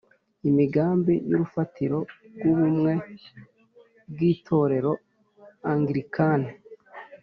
imigambi y urufatiro rw ubumwe bw Itorero Anglikane